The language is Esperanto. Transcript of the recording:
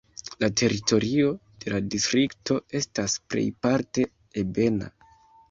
La teritorio de la distrikto estas plejparte ebena.